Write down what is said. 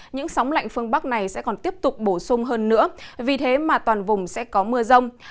những sóng lạnh phương bắc này sẽ còn tiếp tục bổ sung hơn nữa vì thế mà toàn vùng sẽ có mưa rông